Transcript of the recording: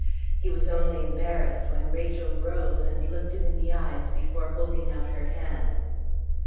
He was only embarrassed when Rachel rose and looked him in the eyes before holding out her hand.